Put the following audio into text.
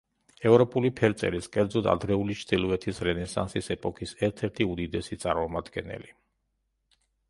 ევროპული ფერწერის, კერძოდ ადრეული ჩრდილოეთის რენესანსის ეპოქის ერთ-ერთი უდიდესი წარმომადგენელი.